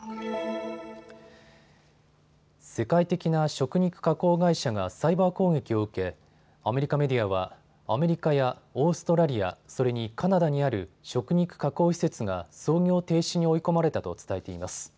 世界的な食肉加工会社がサイバー攻撃を受けアメリカメディアはアメリカやオーストラリア、それにカナダにある食肉加工施設が操業停止に追い込まれたと伝えています。